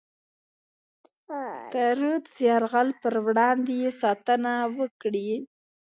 د رودز د یرغل پر وړاندې یې ساتنه وکړي.